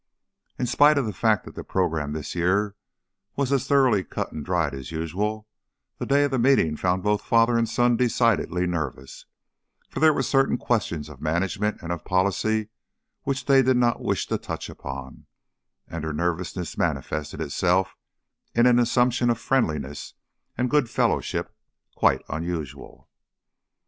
In spite of the fact that the program this year was as thoroughly cut and dried as usual, the day of the meeting found both father and son decidedly nervous, for there were certain questions of management and of policy which they did not wish to touch upon, and their nervousness manifested itself in an assumption of friendliness and good fellowship quite unusual.